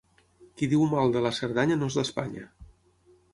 Qui diu mal de la Cerdanya no és d'Espanya.